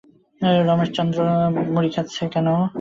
রমেশ অন্নদাবাবুর বাড়ি চা খাইতে এবং চা না খাইতেও প্রায়ই যাইত।